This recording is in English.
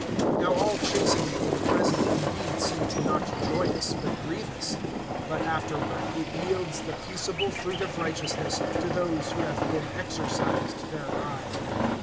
(11)Now all chastening for the present indeed seems not joyous, but grievous; but afterward, it yields the peaceable fruit of righteousness, to those who have been exercised thereby.